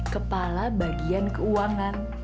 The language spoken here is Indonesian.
kepala bagian keuangan